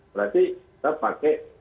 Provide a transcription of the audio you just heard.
berarti kita pakai ya kita pakai